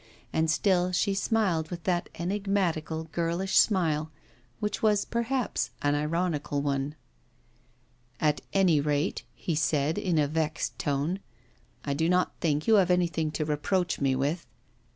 And still she smiled with that enigmatical, girlish smile, which was, perhaps, an ironical one. 'At any rate,' he said, in a vexed tone, 'I do not think you have anything to reproach me with.